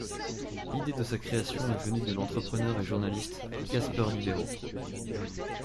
L'idée de sa création est venue de l'entrepreneur et journaliste Cásper Líbero.